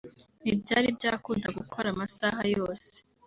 Ntibyari byakunda gukora amasaha yose